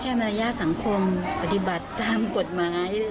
แค่มารยาทสังคมอุดีบัติตามกฎหมาย